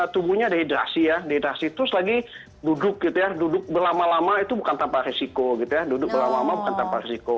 tubuhnya dehidrasi ya dehidrasi terus lagi duduk gitu ya duduk berlama lama itu bukan tanpa resiko gitu ya duduk berlama lama bukan tanpa risiko